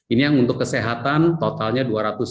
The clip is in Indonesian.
ini yang untuk kesehatan totalnya dua ratus empat belas